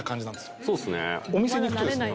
お店に行くとですね